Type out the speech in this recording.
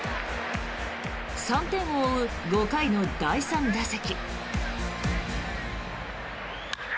３点を追う５回の第３打席。